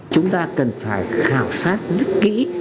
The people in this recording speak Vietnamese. chúng ta cần phải khảo sát rất kỹ